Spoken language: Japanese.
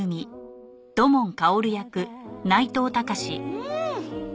うん！